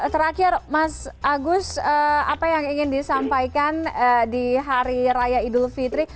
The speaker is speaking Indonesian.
terakhir mas agus apa yang ingin disampaikan di hari raya idul fitri